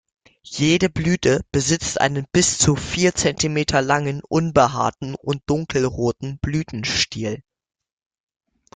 Jede Blüte besitzt einen bis zu vier Zentimeter langen, unbehaarten und dunkelroten Blütenstiel.